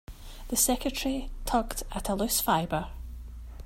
The secretary tugged at a loose fibre.